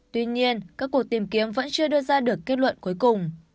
tuy nhiên các cuộc tìm kiếm vẫn chưa đưa ra được kết luận cuối cùng